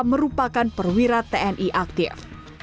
merupakan perwira tni aktif